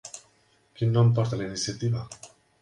Quin nom porta la iniciativa?